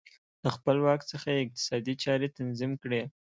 له خپل واک څخه یې اقتصادي چارې تنظیم کړې